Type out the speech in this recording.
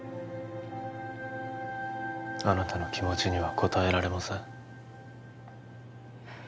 あなたの気持ちには応えられません